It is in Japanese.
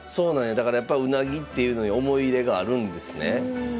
だからやっぱうなぎっていうのに思い入れがあるんですね。